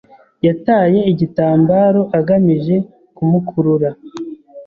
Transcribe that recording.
Yataye igitambaro agamije kumukurura.